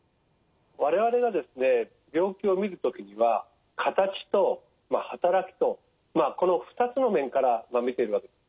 我々がですね病気をみる時には形とはたらきとこの２つの面からみてるわけです。